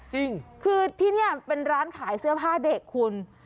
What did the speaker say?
จริงคือที่นี่เป็นร้านขายเสื้อผ้าเด็กคุณ